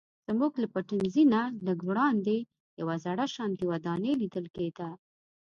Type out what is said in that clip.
زموږ له پټنځي نه لږ وړاندې یوه زړه شانتې ودانۍ لیدل کیده.